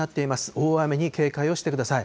大雨に警戒をしてください。